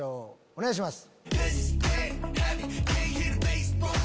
お願いします。